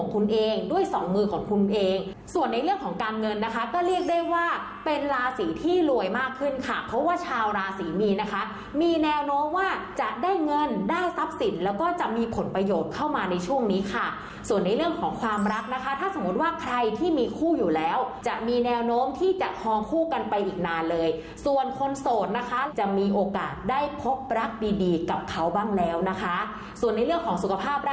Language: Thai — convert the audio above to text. เป็นราศีที่รวยมากขึ้นค่ะเพราะว่าชาวราศีมีนะคะมีแนวโน้มว่าจะได้เงินได้ทรัพย์สินแล้วก็จะมีผลประโยชน์เข้ามาในช่วงนี้ค่ะส่วนในเรื่องของความรักนะคะถ้าสมมติว่าใครที่มีคู่อยู่แล้วจะมีแนวโน้มที่จะทองคู่กันไปอีกนานเลยส่วนคนโสดนะคะจะมีโอกาสได้พบรักดีกับเขาบ้างแล้วนะคะส่วนในเรื่องของสุข